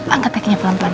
angkat tekinya pelan pelan